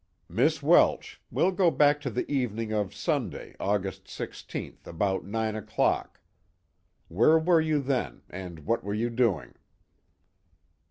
"Miss Welsh, we'll go back to the evening of Sunday, August 16th, about nine o'clock. Where were you then and what were you doing?"